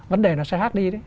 vấn đề nó sẽ hát đi đấy